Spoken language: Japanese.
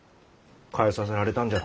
変えさせられたんじゃろ。